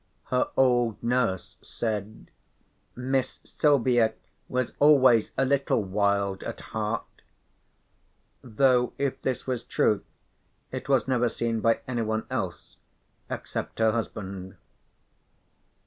Her old nurse said: "Miss Silvia was always a little wild at heart," though if this was true it was never seen by anyone else except her husband.